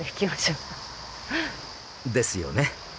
ですよね。